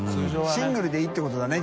シングルでいいってことだね。